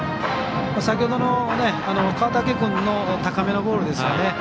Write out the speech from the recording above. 先ほどの川竹君の高めのボールですよね。